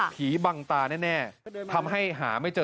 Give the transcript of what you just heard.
บังตาแน่ทำให้หาไม่เจอ